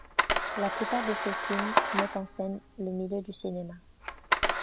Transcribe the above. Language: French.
La plupart de ses films mettent en scène le milieu du cinéma.